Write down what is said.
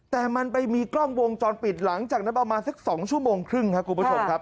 แต่มันไปมีกล้องวงจรปิดหลังจากนั้นประมาณสัก๒ชั่วโมงครึ่งครับคุณผู้ชมครับ